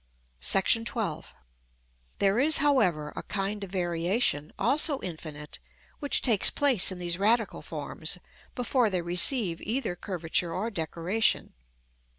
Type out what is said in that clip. § XII. There is, however, a kind of variation, also infinite, which takes place in these radical forms, before they receive either curvature or decoration.